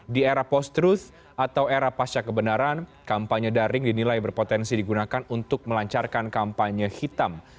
di era post truth atau era pasca kebenaran kampanye daring dinilai berpotensi digunakan untuk melancarkan kampanye hitam